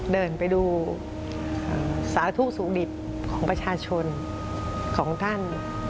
เดินไปดูสาธุสุขดิบของประชาชนของท่าน